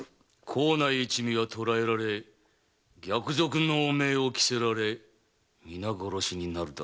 幸内一味は捕らえられ逆賊の汚名を着せられ皆殺しになるだろう。